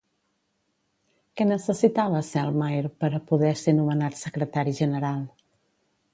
Què necessitava Selmayr per a poder ser nomenat secretari general?